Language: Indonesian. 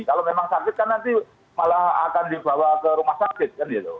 kalau memang sakit kan nanti malah akan dibawa ke rumah sakit kan gitu